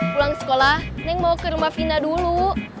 pulang sekolah neng mau ke rumah fina dulu